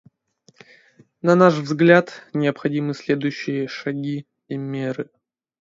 На наш взгляд, необходимы следующие шаги и меры.